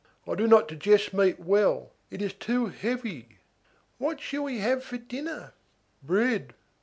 I do not digest meat well. It is too heavy." "What shall we have for dinner?" "Bread."